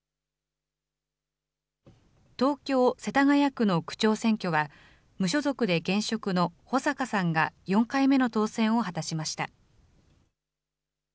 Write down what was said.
東京・世田谷区の区長選挙は、無所属で現職の保坂さんが４回目の当選を果たしました。